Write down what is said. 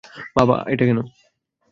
বাবা, কেন?